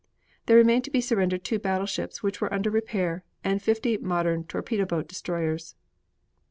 There remained to be surrendered two battleships, which were under repair, and fifty modern torpedo boat destroyers.